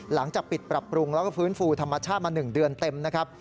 หลังจากปิดปรับปรุงแล้วก็ฟื้นฟูธรรมชาติมา๑เดือนเต็มนะครับ